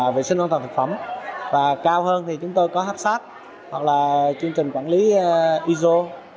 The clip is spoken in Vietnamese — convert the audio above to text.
về sinh an toàn thực phẩm và cao hơn thì chúng tôi có hapsat hoặc là chương trình quản lý iso hai nghìn năm